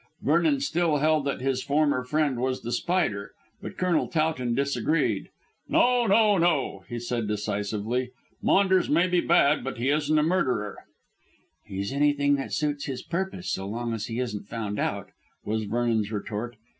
Vernon still held that his former friend was The Spider, but Colonel Towton disagreed. "No! No! No!" said he decisively, "Maunders may be bad, but he isn't a murderer." "He's anything that suits his purpose, so long as he isn't found out," was Vernon's retort.